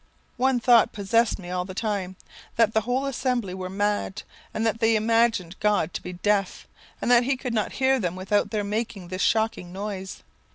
One thought possessed me all the time, that the whole assembly were mad, and that they imagined God to be deaf, and that he could not hear them without their making this shocking noise.